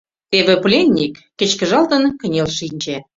Теве пленник, кечкыжалтен, кынел шинче.